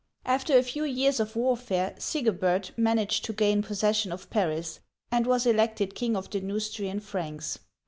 After a few years of warfare, Sigebert managed to gain possession of Paris, and was elected king of the Neustrian Franks.